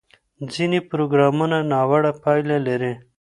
ځینې پروګرامونه ناوړه پایلې لري.